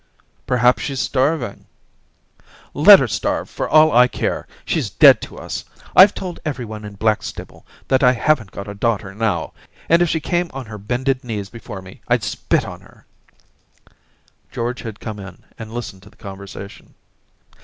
V Perhaps she's starving.' *Let her starve, for all I care. She's dead to us ; I've told everyone in Blackstable that I haven't got a daughter now, and if she 238 Orientations came on her bended knees before me I'd spit on her/ George had come in and listened to the conversation.